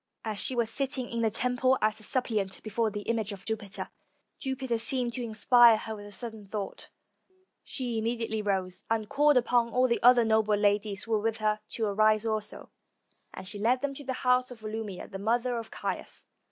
As she was sitting in the temple as a suppliant before the image of Jupiter, Jupiter seemed to inspire her with a sudden thought, and she immediately rose, and called upon all the other noble ladies who were with her to arise also, and she led them to the house of Volumnia, the mother of Caius.